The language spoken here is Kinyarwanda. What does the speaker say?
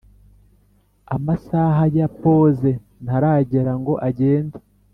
amasaha ya pose ntaragera ngo ngende